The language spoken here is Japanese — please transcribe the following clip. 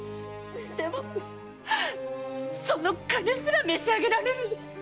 でもその金すら召し上げられる！